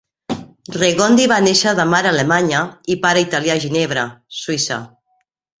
Regondi va néixer de mare alemanya i pare italià a Ginebra, Suïssa.